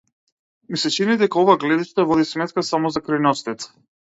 Ми се чини дека ова гледиште води сметка само за крајностите.